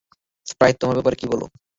Sprite, তোমার ব্যাপারে কিছু বলো।